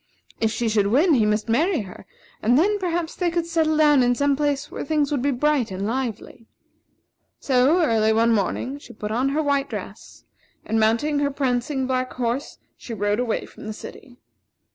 If she should win, he must marry her; and then, perhaps, they could settle down in some place where things would be bright and lively. So, early one morning, she put on her white dress, and mounting her prancing black horse, she rode away from the city.